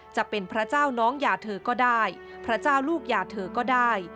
จะเป็นพระเจ้าน้องยาเธอก็ได้พระเจ้าลูกยาเธอก็ได้